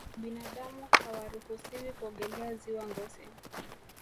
binadamu hawaruhusiwi kuogelea ziwa ngosi